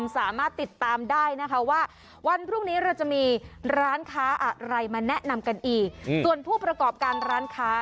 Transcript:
ส่วนผู้ประกอบการร้านค้า